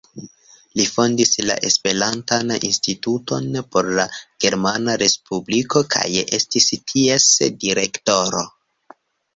Li fondis la Esperantan Instituton por la Germana Respubliko kaj estis ties direktoro.